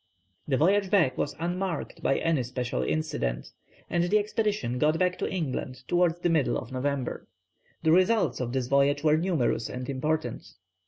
The voyage back was unmarked by any special incident, and the expedition got back to England towards the middle of November. The results of this voyage were numerous and important.